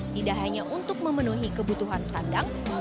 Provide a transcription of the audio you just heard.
tidak hanya untuk memenuhi kebutuhan sandang